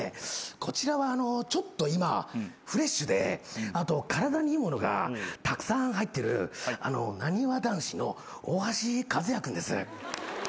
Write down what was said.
こちらはちょっと今フレッシュであと体にいいものがたくさん入ってるなにわ男子の大橋和也君です。